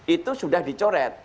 itu sudah dicoret